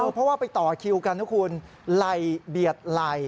เพราะว่าไปต่อคิวกันนะคุณไหล่เบียดไหล่